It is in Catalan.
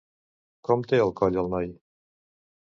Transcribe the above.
Com té el coll el noi?